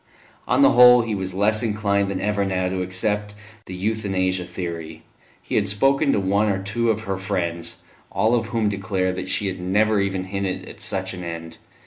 On the whole, he was less inclined than ever now to accept the Euthanasia theory; he had spoken to one or two of her friends, all of whom declared that she had never even hinted at such an end.